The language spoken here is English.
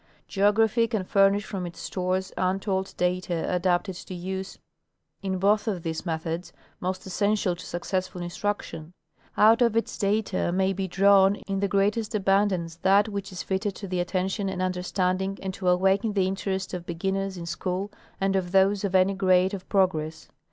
Geography can furnish from its stores untold data adapted to use in both of these methods most essential to successful instruc tion. Out of its data may be drawn in the greatest abundance that Avhich is fitted to the attention and understanding and to awaken the interest of beginners in school and of those of any grade of progress.